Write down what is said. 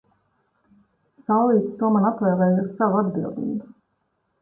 Saulītis to man atvēlēja uz savu atbildību.